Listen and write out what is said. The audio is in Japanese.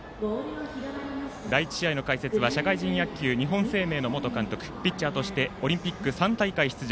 第１試合の解説は社会人野球、日本生命の元監督ピッチャーとしてオリンピック３大会出場